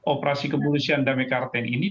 operasi kepolisian damai karten ini